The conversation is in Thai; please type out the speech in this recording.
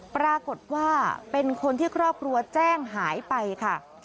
ปรากฏว่าเป็นคนที่ครอบครัวแจ้งหายไปค่ะ